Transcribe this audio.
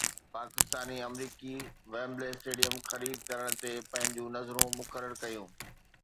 پاڪستاني-آمريڪي Wembley stadium خريد ڪرڻ تي پنهنجون نظرون مقرر ڪيون